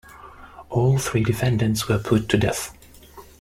All three defendants were put to death.